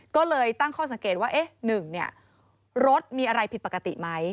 ก็เลยตั้งข้อสังเกตว่า๑รถมีอะไรผิดปกติไหม